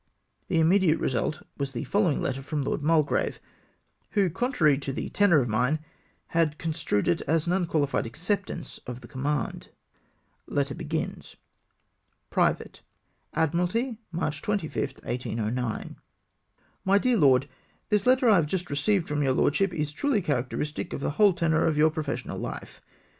The immediate result was the following letter from Lord Mulgrave, who, contrary to the tenour of mine, had construed it mto an unquaUfied acceptance of the command. [Private.] " Aclmii alty, March 25, 1809. "My Dear Lord, — The letter I have just received from your lordship is truly characteristic of the whole tenour of your professional life.